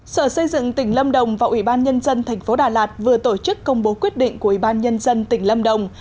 sở xây dựng tỉnh lâm đồng và ủy ban nhân dân thành phố đà lạt vừa tổ chức công bố quyết định của ủy ban nhân dân tỉnh lâm đồng